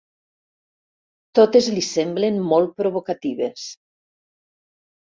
Totes li semblen molt provocatives.